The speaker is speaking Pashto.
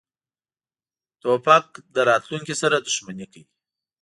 توپک له راتلونکې سره دښمني کوي.